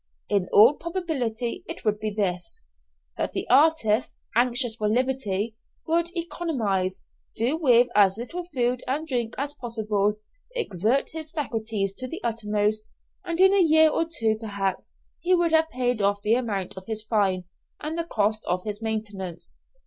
In all probability it would be this: that the artist, anxious for liberty, would economise, do with as little food and drink as possible, exert his faculties to the uttermost, and in a year or two perhaps he would have paid off the amount of his fine, and the cost of his maintenance.